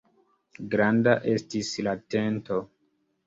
Granda estis la tento.